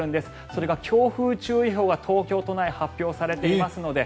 それが強風注意報が東京都内に発表されていますので。